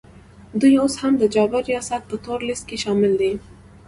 دوی اوس هم د جابر ریاست په تور لیست کي شامل دي